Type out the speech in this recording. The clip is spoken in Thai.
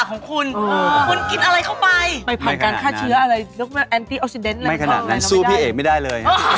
ก็ไม่ขนาดนั้นสู้พี่เอกไม่ได้เลย